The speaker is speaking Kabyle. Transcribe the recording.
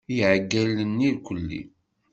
I yiɛeggalen irkkeli.